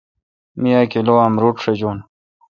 می اہ کلو امرود شجون۔